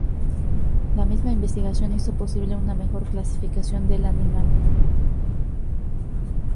La misma investigación hizo posible una mejor clasificación del animal.